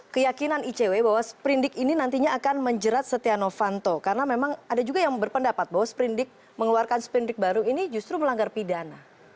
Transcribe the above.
nah ada yang berpendapat bahwa sprint dig ini akan menjerat setia novanto karena memang ada juga yang berpendapat bahwa sprint dig mengeluarkan sprint dig baru ini justru melanggar pidana